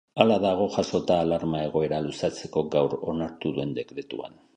Hala dago jasota alarma-egoera luzatzeko gaur onartu duen dekretuan.